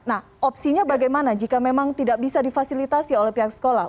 nah opsinya bagaimana jika memang tidak bisa difasilitasi oleh pihak sekolah